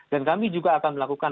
dan kami juga akan melakukan